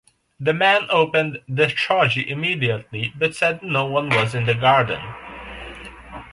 The man opened the shoji immediately but said no one was in the garden.